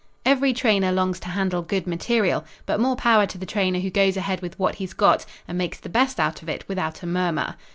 Every trainer longs to handle good material, but more power to the trainer who goes ahead with what he's got and makes the best out of it without a murmur.